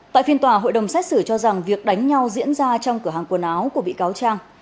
tại phiên tòa hội đồng xét xử cho rằng việc đánh nhau diễn ra trong cửa hàng quần áo của bị cáo trang